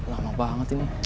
lama banget ini